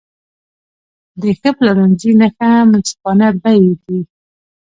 د ښه پلورنځي نښه منصفانه بیې دي.